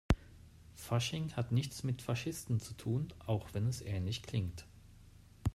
Fasching hat nichts mit Faschisten zu tun, auch wenn es ähnlich klingt.